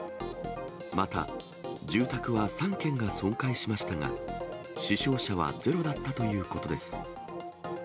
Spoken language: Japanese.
また、住宅は３軒が損壊しましたが、死傷者はゼロだったということです。